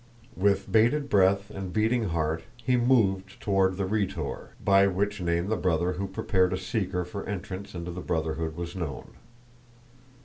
With bated breath and beating heart he moved toward the Rhetor (by which name the brother who prepared a seeker for entrance into the Brotherhood was known).